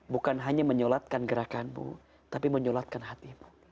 bukan hanya menyolatkan gerakanmu tapi menyolatkan hatimu